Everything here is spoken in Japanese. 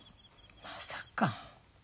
まさか。